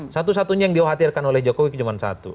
satu satunya yang dikhawatirkan oleh jokowi cuma satu